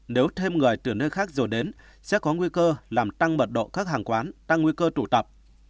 nếu thêm người từ nơi khác rồi đến sẽ có nguy cơ làm tăng mật độ các hàng quán tăng nguy cơ tụ tập